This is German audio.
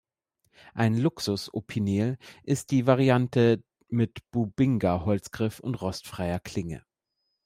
Ein „Luxus-Opinel“ ist die Variante mit Bubinga-Holzgriff und rostfreier Klinge.